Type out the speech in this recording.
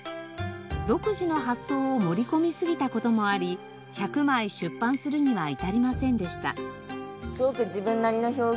独自の発想を盛り込みすぎた事もあり１００枚出版するには至りませんでした。